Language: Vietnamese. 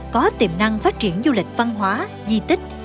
có tiềm năng phát triển du lịch văn hóa di tích